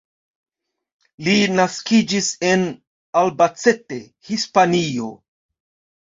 Li naskiĝis en Albacete, Hispanio.